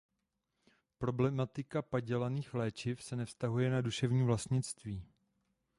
Problematika padělaných léčiv se nevztahuje na duševní vlastnictví.